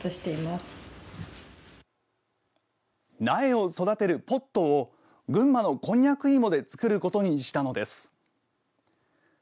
苗を育てるポットを群馬のこんにゃく芋で作ることにしたのです。